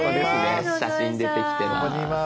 写真出てきてます。